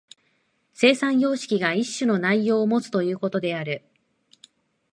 生産様式が一種の内容をもつということである。